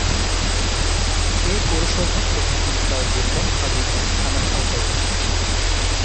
এ পৌরসভার প্রশাসনিক কার্যক্রম হাজীগঞ্জ থানার আওতাধীন।